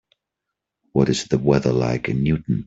What is the weather like in Newton